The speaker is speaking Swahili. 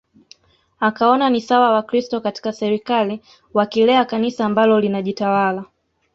Akaona ni sawa Wakristo katika serikali wakilea Kanisa ambalo linajitawala